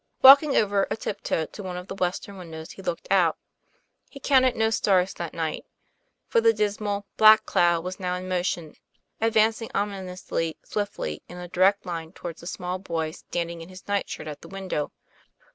Walking over a tiptoe to one of the western win dows he looked out. He counted no stars that night. For the dismal, black cloud was now in motion, ad vancing ominously, swiftly, in a direct line toward the small boy standing in his night shirt at the window.